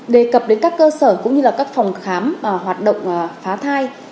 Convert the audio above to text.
đề cập đến các cơ sở cũng như các phòng khám hoạt động phá thai